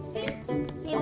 bacam ru babu